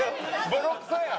ボロクソやん！